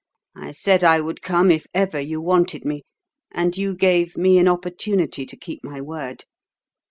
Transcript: I said I would come if ever you wanted me, and you gave me an opportunity to keep my word.